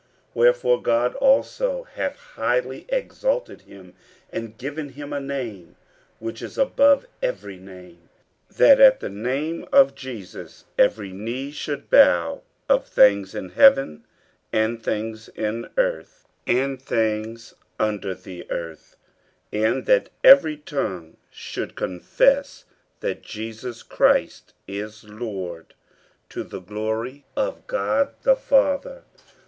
50:002:009 Wherefore God also hath highly exalted him, and given him a name which is above every name: 50:002:010 That at the name of Jesus every knee should bow, of things in heaven, and things in earth, and things under the earth; 50:002:011 And that every tongue should confess that Jesus Christ is Lord, to the glory of God the Father.